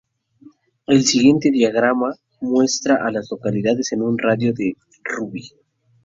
El siguiente diagrama muestra a las localidades en un radio de de Ruby.